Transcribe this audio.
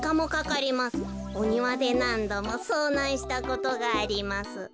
おにわでなんどもそうなんしたことがあります」。